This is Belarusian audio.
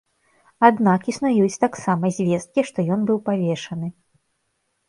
Аднак існуюць таксама звесткі, што ён быў павешаны.